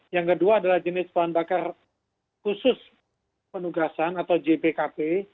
yang kedua adalah jenis bahan bakar khusus penugasan atau jpkp